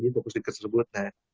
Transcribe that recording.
di proses tersebut